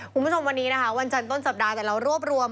คุณผู้ชมวันนี้นะคะวันจันทร์ต้นสัปดาห์แต่เรารวบรวม